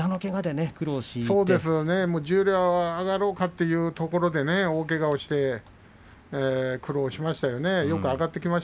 十両に上がろうかというところで大けがをして苦労しましたよね。